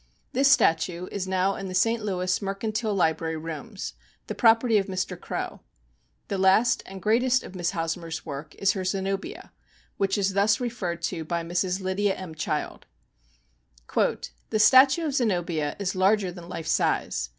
This statue is now in the St. Louis Mercantile Library rooms вҖ" the property of Mr. Crow. The last and greatest of Miss Hosmer's works is her " Zenobia," which is thus referred to by Mrs. Lydia M. Child : "The statue of Zenobia is larger than life size.